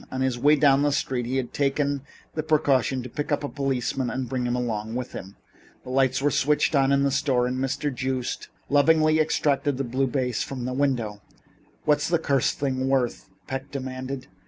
On his way down the street he had taken the precaution to pick up a policeman and bring him along with him. The lights were switched on in the store and Mr. Joost lovingly abstracted the blue vase from the window. "What's the cursed thing worth?" Peck demanded.